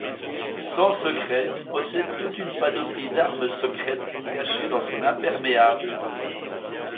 Sans-Secret possède toute une panoplie d'armes secrètes cachée dans son imperméable.